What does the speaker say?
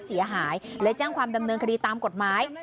เสียหายและแจ้งความดำเนินคดีตามกฎหมาย